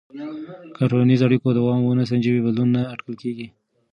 که د ټولنیزو اړیکو دوام ونه سنجوې، بدلون نه اټکل کېږي.